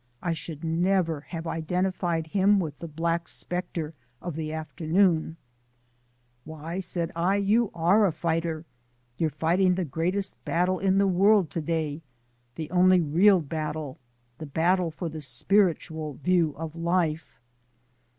I should never have identified him with the Black Spectre of the afternoon. "Why," said I, "you ARE a fighter; you're fighting the greatest battle in the world today the only real battle the battle for the spiritual view of life."